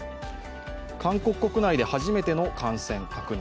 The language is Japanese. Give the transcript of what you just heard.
韓国国内で初めての感染確認。